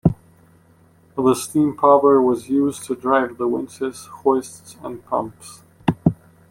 The steam power was used to drive the winches, hoists and pumps.